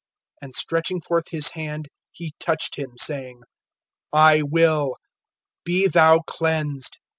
(3)And stretching forth his hand, he touched him, saying: I will; be thou cleansed.